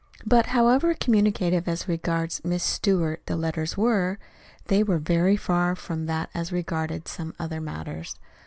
But however communicative as regards "Miss Stewart" the letters were, they were very far from that as regarded some other matters.